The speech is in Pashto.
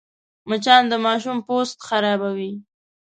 مچان د ماشوم پوست خرابوي